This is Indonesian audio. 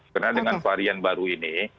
karena dengan varian baru ini